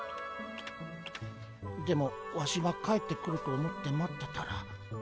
でもワシが帰ってくると思って待ってたら。